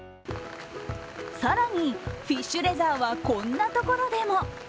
更に、フィッシュレザーはこんなところでも。